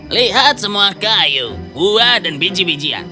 lihat semua kayu buah dan biji bijian